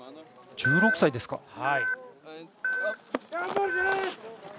１６歳ですか。